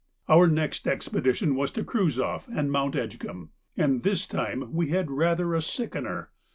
Our next expedition was to Kruzoff and Mount Edgcumbe, and this time we had rather a sickener.